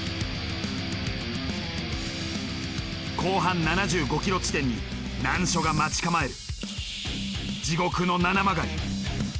後半７５ｋｍ地点に難所が待ち構える。